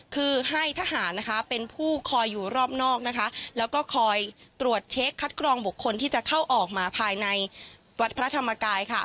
คือให้ทหารนะคะเป็นผู้คอยอยู่รอบนอกนะคะแล้วก็คอยตรวจเช็คคัดกรองบุคคลที่จะเข้าออกมาภายในวัดพระธรรมกายค่ะ